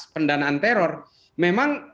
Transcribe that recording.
pendanaan teror memang